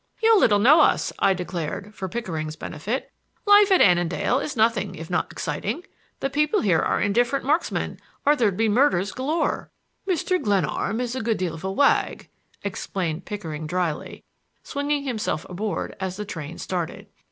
"You little know us," I declared, for Pickering's benefit. "Life at Annandale is nothing if not exciting. The people here are indifferent marksmen or there'd be murders galore." "Mr. Glenarm is a good deal of a wag," explained Pickering dryly, swinging himself aboard as the train started.